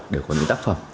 đều có những tác phẩm